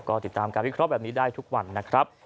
ก็ติดตามการวิเคราะห์แบบนี้ได้ทุกวันนะครับ